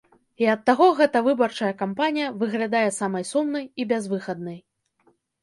І ад таго гэта выбарчая кампанія выглядае самай сумнай і бязвыхаднай.